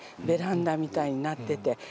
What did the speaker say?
ベランダみたいになってて。